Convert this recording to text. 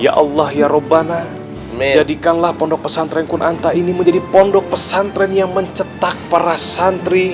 ya allah ya rabbana jadikanlah pondok pesantren kunanta ini menjadi pondok pesantren yang mencetak para santri